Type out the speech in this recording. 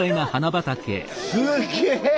すげえ！